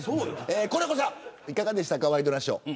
コレコさんいかがでしたかワイドナショー。